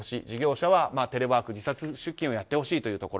事業者はテレワーク、自社通勤をやってほしい。